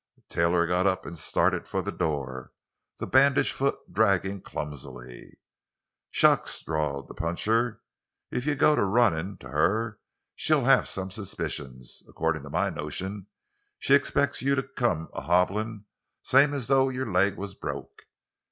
Taylor got up and started for the door, the bandaged foot dragging clumsily. "Shucks," drawled the puncher; "if you go to runnin' to her she'll have suspicions. Accordin' to my notion, she expects you to come a hobblin', same as though your leg was broke.